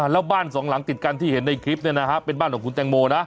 แล้วบ้านสองหลังติดกันที่เห็นในคลิปเป็นบ้านของคุณแตงโมนะ